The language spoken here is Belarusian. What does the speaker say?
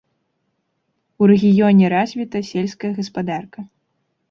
У рэгіёне развіта сельская гаспадарка.